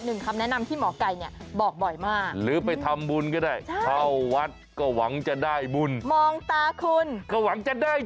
คำแนะนำที่หมอไก่เนี่ยบอกบ่อยมากหรือไปทำบุญก็ได้เข้าวัดก็หวังจะได้บุญมองตาคุณก็หวังจะได้